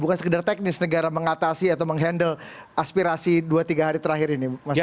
bukan sekedar teknis negara mengatasi atau menghandle aspirasi dua tiga hari terakhir ini